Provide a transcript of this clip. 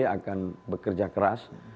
akan bekerja keras